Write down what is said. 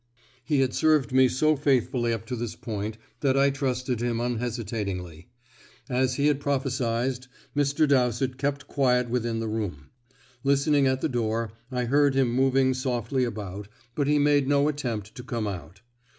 He had served me so faithfully up to this point that I trusted him unhesitatingly. As he had prophesied, Mr. Dowsett kept quiet within the room. Listening at the door, I heard him moving softly about, but he made no attempt to come out.